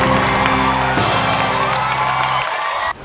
อ้าย